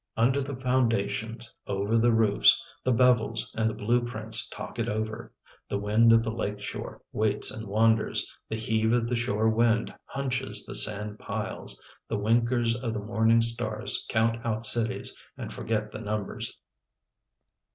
Under the foundations, Over the roofs. The bevels and the blue prints talk it over. The wind of the lake shore waits and wanders. The heave of the shore wind hunches the sand piles. The winkers of the morning stars count out cities And forget the numbers.